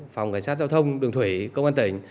phòng cảnh sát giao thông đường thủy công an tỉnh